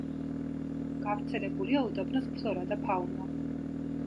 გავრცელებულია უდაბნოს ფლორა და ფაუნა.